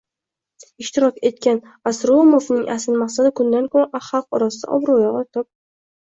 ishtirok etgan Ostroumofning asl maqsadi kundan kun xalq orasida obro'si ortib